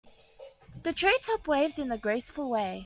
The tree top waved in a graceful way.